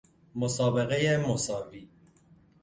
مسابقه مساوی